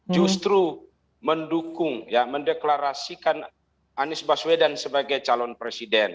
justru mendukung ya mendeklarasikan anies baswedan sebagai calon presiden